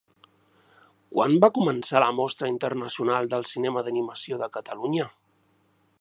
Quan va començar la Mostra Internacional del Cinema d'Animació de Catalunya?